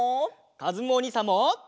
かずむおにいさんも！